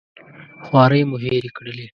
خوارۍ مو هېرې کړلې.